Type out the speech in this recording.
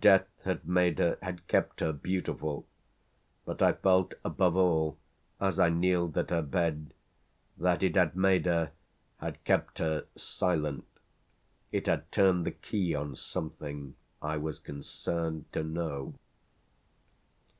Death had made her, had kept her beautiful; but I felt above all, as I kneeled at her bed, that it had made her, had kept her silent. It had turned the key on something I was concerned to know.